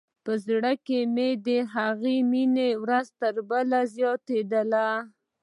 په زړه کښې مې د هغه مينه ورځ تر بلې زياتېدله.